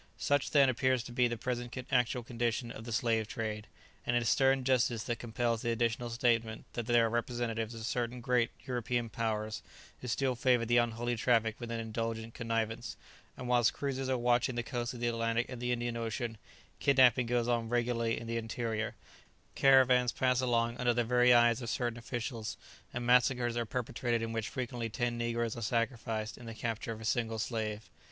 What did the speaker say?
Such, then, appears to be the present actual condition of the slave trade; and it is stern justice that compels the additional statement that there are representatives of certain great European powers who still favour the unholy traffic with an indulgent connivance, and whilst cruisers are watching the coasts of the Atlantic and of the Indian Ocean, kidnapping goes on regularly in the interior, caravans pass along under the very eyes of certain officials, and massacres are perpetrated in which frequently ten negroes are sacrificed in the capture of a single slave.